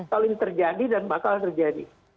kalau ini terjadi dan bakal terjadi